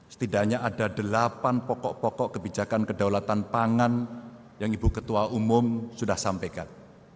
setidaknya ada delapan pokok pokok kebijakan kedaulatan pangan yang ibu ketua umum sudah sampaikan